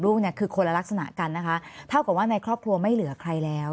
ลูกเนี่ยคือคนละลักษณะกันนะคะเท่ากับว่าในครอบครัวไม่เหลือใครแล้ว